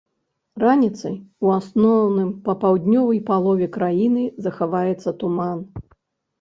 Раніцай у асноўным па паўднёвай палове краіны захаваецца туман.